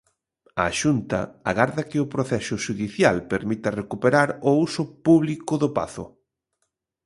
A Xunta agarda que o proceso xudicial permita recuperar o uso público do pazo.